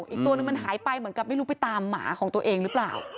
อีกตัวนึงมันหายไปเหมือนกับไม่รู้ไปตามหมาของตัวเองหรือเปล่า